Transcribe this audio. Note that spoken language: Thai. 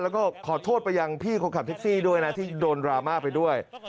แล้วก็ขอโทษไปยังพี่คนขับแท็กซี่ด้วยนะที่โดนดราม่าไปด้วย